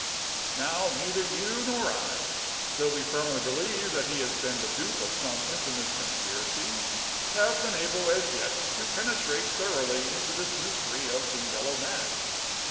Now, neither you nor I, though we believe firmly that he has been the dupe of some infamous conspiracy, have been able as yet to penetrate thoroughly into this mystery of the Yellow Mask.